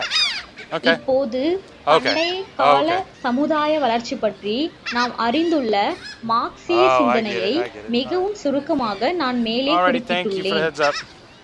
இப்போது, பண்டைக்காலச் சமுதாய வளர்ச்சிபற்றி நாம் அறிந்துள்ள மார்க்சீய சிந்தனையை மிகவும் சுருக்கமாக நான் மேலே குறிப்பிட்டுள்ளேன்.